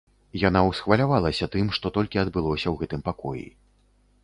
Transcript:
Яна ўсхвалявалася тым, што толькі адбылося ў гэтым пакоі.